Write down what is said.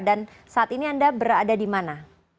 dan saat ini anda berada di mana